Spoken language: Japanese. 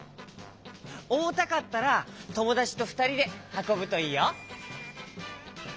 おもたかったらともだちとふたりではこぶといいよ。